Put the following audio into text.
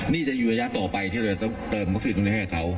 นี่จะอยู่ระยะต่อไปที่เราต้องเติมวัคซีนตรงนี้ให้กับเขา